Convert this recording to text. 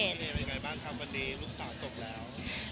พี่เอเป็นยังไงบ้างครับวันนี้ลูกสาวจบแล้ว